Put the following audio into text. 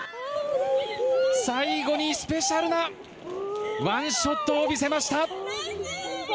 最後にスペシャルなワンショットを見せました！